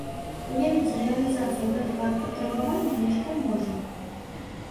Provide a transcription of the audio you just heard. Уявіць рэалізацыю гэтага патрабавання яшчэ можна.